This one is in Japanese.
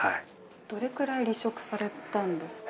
どれくらい離職されたんですか？